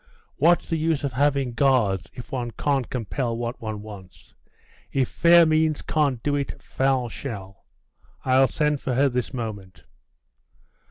What's the use of having guards, if one can't compel what one wants? If fair means can't do it, foul shall! I'll send for her this moment!